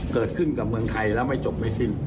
เกิดขึ้นกับเมืองไทยแล้วไม่จบไม่สิ้น